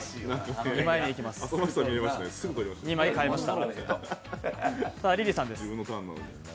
２枚替えました。